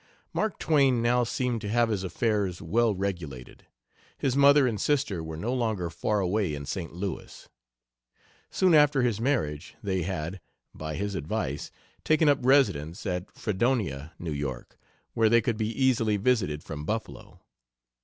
Mark Twain now seemed to have his affairs well regulated. His mother and sister were no longer far away in St. Louis. Soon after his marriage they had, by his advice, taken up residence at Fredonia, New York, where they could be easily visited from Buffalo.